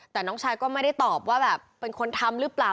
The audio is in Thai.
แต่น้องชายก็ไม่ได้ตอบว่าแบบเป็นคนทำหรือเปล่า